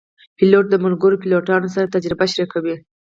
پیلوټ د ملګرو پیلوټانو سره تجربه شریکوي.